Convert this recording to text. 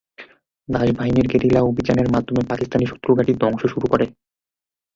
দাস বাহিনীর গেরিলা অভিযানের মাধ্যমে পাকিস্তানি শত্রু ঘাঁটি ধ্বংস শুরু করে।